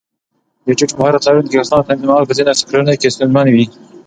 د ټیټ مهارت لرونکو کسانو تنظیمول په ځینو سکتورونو کې ستونزمن دي.